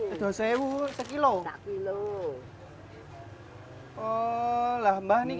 ada selections yang berkapasitas banyak